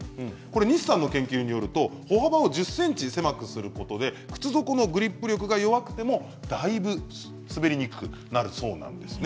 西さんの研究によると歩幅を１０ｃｍ狭くすることで靴底のグリップ力が弱くてもだいぶ滑りにくくなるそうなんです。